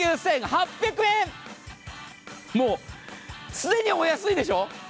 もう既にお安いでしょう。